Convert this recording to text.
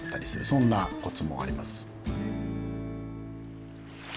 そんなコツもあります。